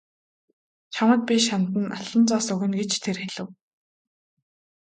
Чамд би шанд нь алтан зоос өгнө гэж тэр хэлэв.